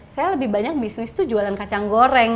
saya lebih banyak bisnis tuh jualan kacang goreng